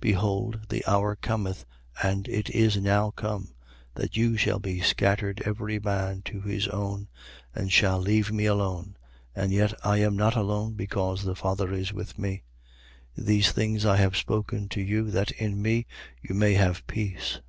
16:32. Behold, the hour cometh, and it is now come, that you shall be scattered every man to his own and shall leave me alone. And yet I am not alone, because the Father is with me. 16:33. These things I have spoken to you, that in me you may have peace.